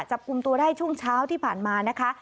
จับกลุ่มตัวได้ช่วงเช้าที่ผ่านมานะคะ